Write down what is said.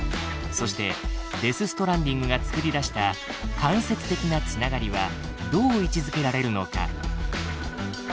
そして「デス・ストランディング」がつくり出した「間接的な繋がり」はどう位置づけられるのか。